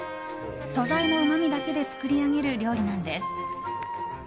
素材のうまみだけで作り上げる料理なんです。